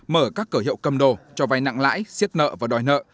mở các cửa hiệu cầm đô cho vai nặng lãi siết nợ và đòi nợ